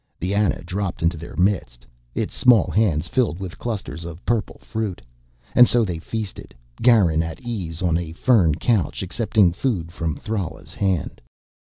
The Ana dropped into their midst, its small hands filled with clusters of purple fruit. And so they feasted, Garin at ease on a fern couch, accepting food from Thrala's hand.